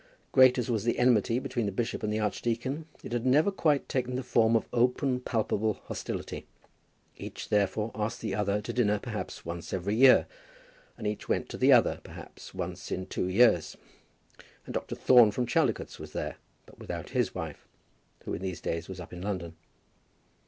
Great as was the enmity between the bishop and the archdeacon, it had never quite taken the form of open palpable hostility. Each, therefore, asked the other to dinner perhaps once every year; and each went to the other, perhaps, once in two years. And Dr. Thorne from Chaldicotes was there, but without his wife, who in these days was up in London.